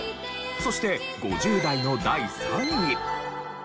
そして５０代の第３位。